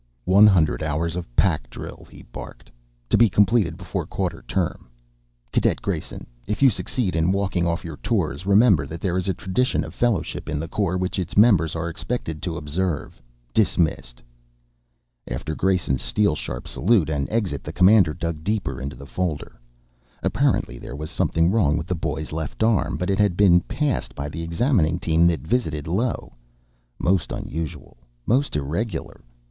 "One hundred hours of pack drill," he barked, "to be completed before quarter term. Cadet Grayson, if you succeed in walking off your tours, remember that there is a tradition of fellowship in the Corps which its members are expected to observe. Dismiss." After Grayson's steel sharp salute and exit the Commandant dug deeper into the folder. Apparently there was something wrong with the boy's left arm, but it had been passed by the examining team that visited Io. Most unusual. Most irregular.